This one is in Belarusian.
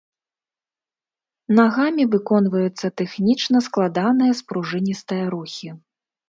Нагамі выконваюцца тэхнічна складаныя спружыністыя рухі.